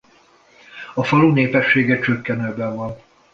A falu népessége csökkenőben van.